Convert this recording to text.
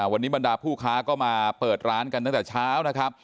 วันนี้บรรดาผู้ค้าก็มาเปิดร้านกันตั้งแต่เช้านะครับ